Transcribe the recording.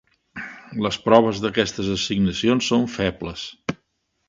Les proves d'aquestes assignacions són febles.